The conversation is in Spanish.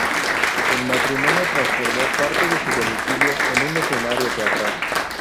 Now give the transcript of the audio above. El matrimonio transformó parte de su domicilio en un escenario teatral.